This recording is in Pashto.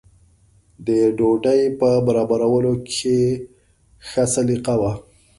د ډوډۍ په برابرولو کې ښه سلیقه وه.